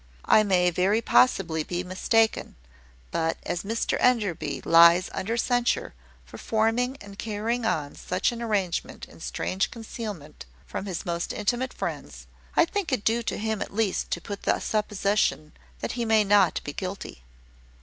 I may very possibly be mistaken: but as Mr Enderby lies under censure for forming and carrying on such an arrangement in strange concealment from his most intimate friends, I think it due to him at least to put the supposition that he may not be guilty."